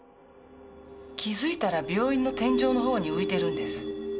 気付いたら病院の天井の方に浮いてるんです。